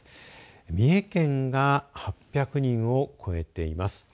三重県が８００人を超えています。